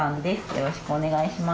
よろしくお願いします。